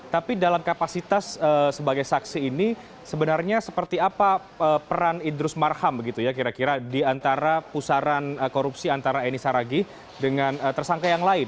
tapi dalam kapasitas sebagai saksi ini sebenarnya seperti apa peran idrus marham begitu ya kira kira di antara pusaran korupsi antara eni saragih dengan tersangka yang lain